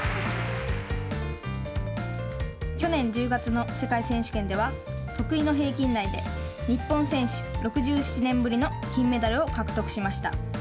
去年１０月の世界選手権では得意の平均台で日本選手６７年ぶりの金メダルを獲得しました。